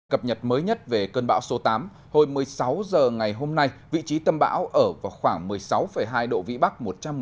cập nhật mới nhất về cơn bão số tám hồi một mươi sáu h ngày hôm nay vị trí tâm bão ở vào khoảng một mươi sáu hai độ vĩ bắc